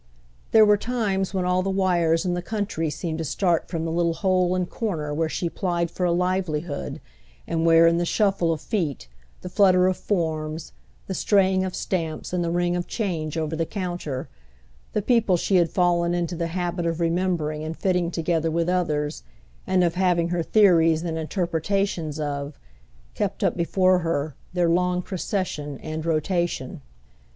There were times when all the wires in the country seemed to start from the little hole and corner where she plied for a livelihood, and where, in the shuffle of feet, the flutter of "forms," the straying of stamps and the ring of change over the counter, the people she had fallen into the habit of remembering and fitting together with others, and of having her theories and interpretations of, kept up before her their long procession and rotation.